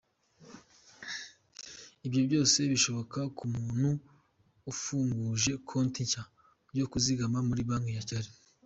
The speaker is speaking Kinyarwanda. Ibyo byose bishoboka ku muntu ufunguje konti nshya yo kuzigama muri Banki ya Kigali.